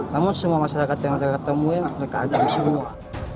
namun semua masyarakat yang mereka ketemu mereka agak sibuk